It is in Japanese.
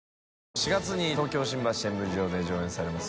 ７月に東京・新橋演舞場で上演されます。